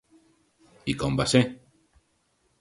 I com va ser?